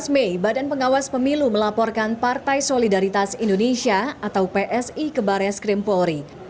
tujuh belas mei badan pengawas pemilu melaporkan partai solidaritas indonesia atau psi ke barres krim polri